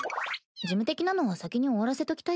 事務的なのは先に終わらせときたいから。